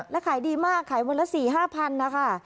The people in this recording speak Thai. แล้วขายดีมากขายวันละ๔๕พันธุ์นะค่ะ